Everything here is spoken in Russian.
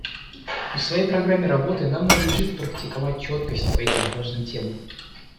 И в своей программе работы нам надлежит практиковать четкость по этим важным темам.